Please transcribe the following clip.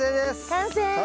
完成！